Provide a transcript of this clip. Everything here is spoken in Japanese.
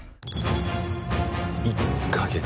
１か月。